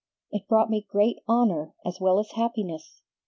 It brought me great honor as well as happiness.